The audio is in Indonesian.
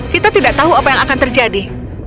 kita tidak tahu apa yang akan terjadi